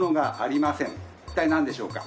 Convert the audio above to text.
一体なんでしょうか？